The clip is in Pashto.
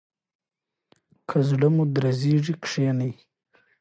که زړه مو درزیږي کښینئ.